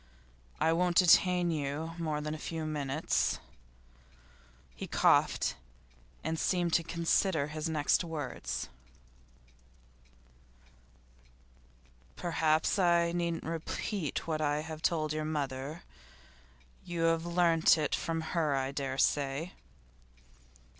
I won't detain you more than a few minutes.' He coughed, and seemed to consider his next words. 'Perhaps I needn't repeat what I have told your mother. You have learnt it from her, I dare say.